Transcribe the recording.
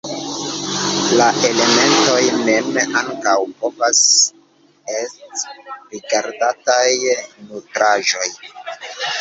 La elementoj mem ankaŭ povas est rigardataj nutraĵoj.